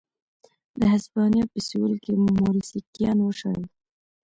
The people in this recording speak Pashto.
د هسپانیا په سوېل کې موریسکیان وشړل.